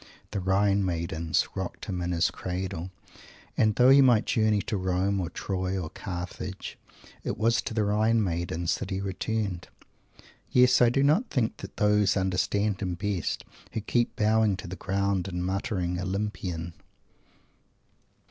The Rhine Maidens rocked him in his cradle and, though he might journey to Rome or Troy or Carthage, it was to the Rhine Maidens that he returned. Yes, I do not think that those understand him best who keep bowing to the ground and muttering "Olympian"!